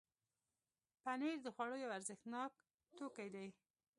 پنېر د خوړو یو ارزښتناک توکی دی.